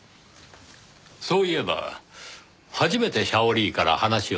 そういえば初めてシャオリーから話を聞いた時も。